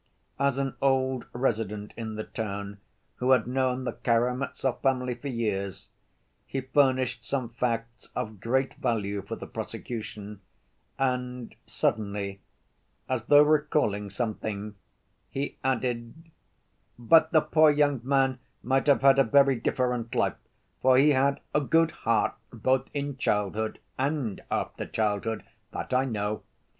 As an old resident in the town who had known the Karamazov family for years, he furnished some facts of great value for the prosecution, and suddenly, as though recalling something, he added: "But the poor young man might have had a very different life, for he had a good heart both in childhood and after childhood, that I know.